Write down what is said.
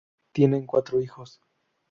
Tienen cuatro hijos.